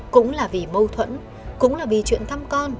cũng là vì mâu thuẫn cũng là vì chuyện thăm con